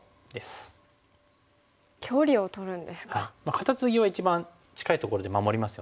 カタツギは一番近いところで守りますよね。